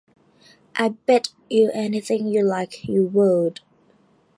I bet you anything you like you would.